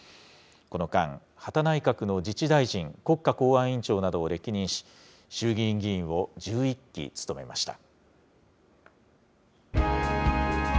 この間、羽田内閣の自治大臣、国家公安委員長などを歴任し、衆議院議員を１１期務めました。